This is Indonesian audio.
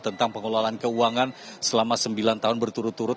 tentang pengelolaan keuangan selama sembilan tahun berturut turut